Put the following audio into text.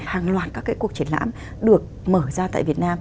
hàng loạt các cuộc triển lãm được mở ra tại việt nam